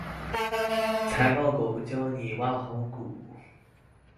財報狗教你挖好股